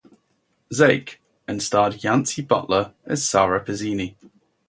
Zeik, and starred Yancy Butler as Sara Pezzini.